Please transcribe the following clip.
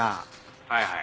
はいはい。